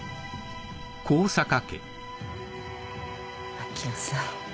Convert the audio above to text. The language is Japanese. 明生さん。